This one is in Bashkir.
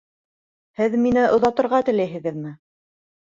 Һеҙ мине оҙатырға теләйһегеҙме?